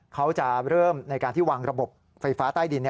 เขาจะเริ่มในการที่วางระบบไฟฟ้าใต้ดิน